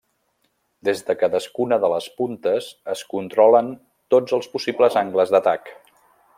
Des de cadascuna de les puntes es controlen tots els possibles angles d'atac.